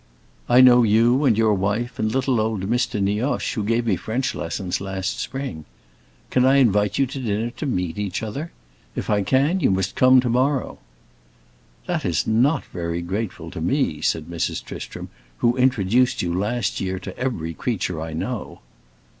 I know you and your wife and little old Mr. Nioche, who gave me French lessons last spring. Can I invite you to dinner to meet each other? If I can, you must come to morrow." "That is not very grateful to me," said Mrs. Tristram, "who introduced you last year to every creature I know."